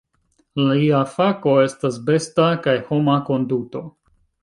Lia fako estas besta kaj homa konduto.